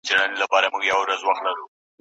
د خپل رقیب کړو نیمه خوا لښکري